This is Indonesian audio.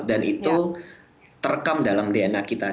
dan itu terekam dalam dna kita